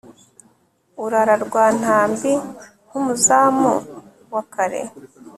urara rwa ntambi nk'umuzamu wa kare